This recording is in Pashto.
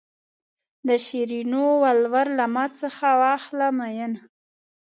د شیرینو ولور له ما څخه واخله مینه.